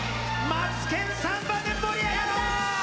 「マツケンサンバ」で盛り上がろう！